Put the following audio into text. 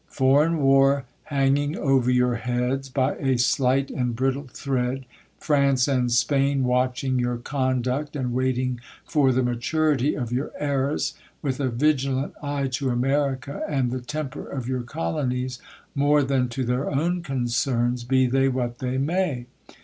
Foreign war hanging over your heads by a slight and brittle thread : France and Spain watching your conduct, and waiting for the ma turity of your errors ; with a vigilant eye to America, and the temper of your colonies, more than to their own concerns, be they what they may.